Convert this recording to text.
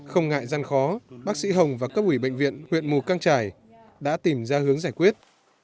không ngại gian khó bác sĩ hồng và cấp ủy bệnh viện huyện mù căng trải đã tìm ra hướng giải quyết